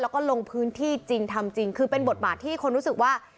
แล้วก็ลงพื้นที่จริงทำจริงคือเป็นบทบาทที่คนรู้สึกว่า